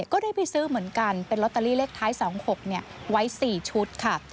ก็ได้ไปซื้อเหมือนกันเป็นลอตเตอรี่เลขท้าย๒๖ไว้๔ชุดค่ะ